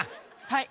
はい。